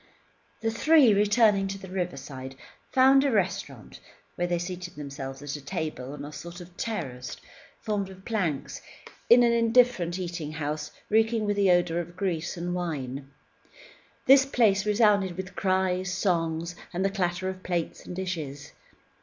The three, returning to the riverside, found a restaurant, where they seated themselves at table on a sort of terrace formed of planks in an indifferent eating house reeking with the odour of grease and wine. This place resounded with cries, songs, and the clatter of plates and dishes.